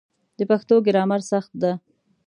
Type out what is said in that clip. د پښتو ګرامر سخت ده